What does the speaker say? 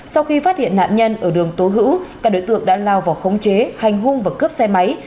sau khi phát hiện nạn nhân ở đường tố hữu các đối tượng đã lao vào khống chế hành hung và cướp xe máy